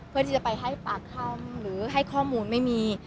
เพื่อที่จะไปให้ปากคำหรือให้ข้อมูลไม่มี